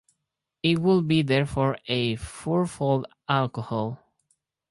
It would be therefore a fourfold alcohol.